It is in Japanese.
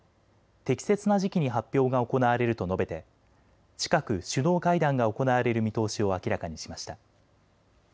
適切な時期に発表が行われると述べて近く首脳会談が行われる見通しを明らかにしました。